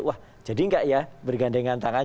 wah jadi enggak ya bergandengan tangan